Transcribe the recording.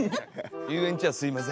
遊園地はすいません。